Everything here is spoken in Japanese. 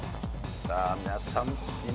さあ皆さん。